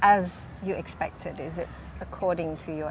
apakah itu seperti yang anda jangkakan